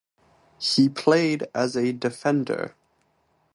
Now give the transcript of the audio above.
He played as a defender.